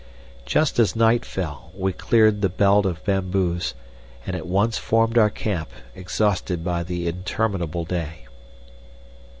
Just as night fell we cleared the belt of bamboos, and at once formed our camp, exhausted by the interminable day.